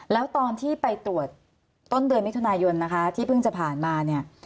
แล้วตอนที่ไปตรวจต้นเดือนมิถุนายนนะคะที่เพิ่งจะผ่านมาเนี่ย